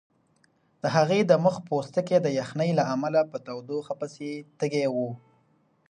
د هغې د مخ پوستکی د یخنۍ له امله په تودوخه پسې تږی و.